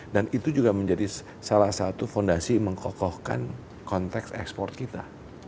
dan itu juga menjadi salah satu fondasi mengkokohkan konteks ekspor kita